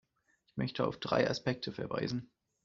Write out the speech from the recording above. Ich möchte auf drei Aspekte verweisen.